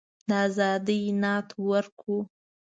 د آزادی نعمت ورکړو.